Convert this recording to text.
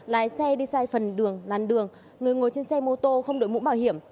lái xe đi sai phần đường làn đường người ngồi trên xe mô tô không đổi mũ bảo hiểm